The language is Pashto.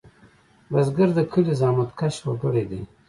بزګر د کلي زحمتکش وګړی دی